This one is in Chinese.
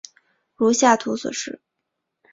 如下图所示。